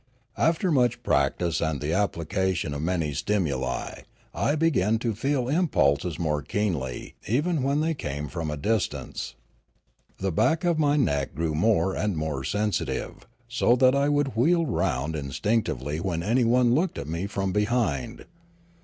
After much practice and the application of many stimuli I began to feel im pulses more keenly even when they came from a dis tance: the back of my neck grew more and more sensitive, so that I would wheel round instinctively when anyone looked at me from behind.